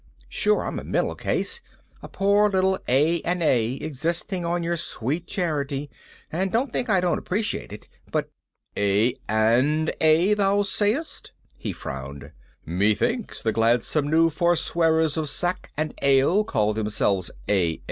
Sure I'm a mental case, a poor little A & A existing on your sweet charity, and don't think I don't appreciate it, but " "A and A, thou sayest?" he frowned. "Methinks the gladsome new forswearers of sack and ale call themselves AA."